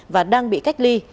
và đang bị cách ly